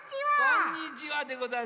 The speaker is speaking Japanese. こんにちはでござんす。